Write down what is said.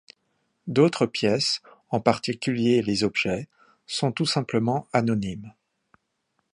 D’autres pièces, en particulier les objets, sont tout simplement anonymes.